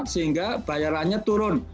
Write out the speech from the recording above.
sehingga bayarannya turun